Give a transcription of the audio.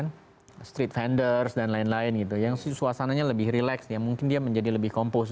mungkin tadi kita ada kutipannya kan street vendors dan lain lain gitu yang suasananya lebih relax di bagian mungkin dia jadi comportls dari secara personal